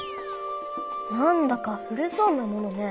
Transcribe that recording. なんだか古そうなものね。